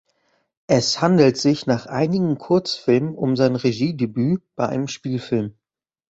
Es handelt sich nach einigen Kurzfilmen um sein Regiedebüt bei einem Spielfilm.